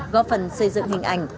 góp phần xây dựng hình ảnh